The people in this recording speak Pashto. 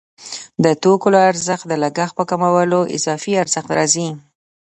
د توکو له ارزښت د لګښت په کمولو اضافي ارزښت راځي